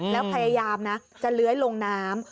แล้วพยายามนะจะเลื้อยลงน้ำ